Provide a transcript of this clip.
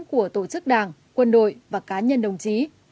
của tổ chức đảng quân đội và cá nhân đồng chí